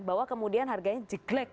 bahwa kemudian harganya jeglek